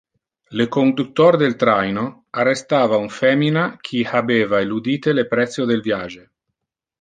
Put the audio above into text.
Le conductor del traino arrestava un femina qui habeva eludite le precio del viage.